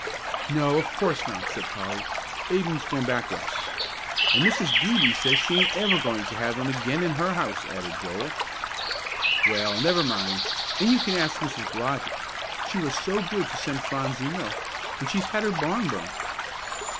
"No, of course not," said Polly. "Ab'm has gone back West." "And Mrs. Beebe says she ain't ever going to have him again at her house," added Joel. "Well, never mind; and you can ask Mrs. Blodgett. She was so good to send Phronsie milk; and she's had her barn burnt."